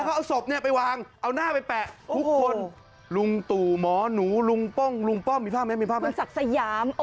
คุณศักดิ์สยามโอ้โฮเห็นหมดเลย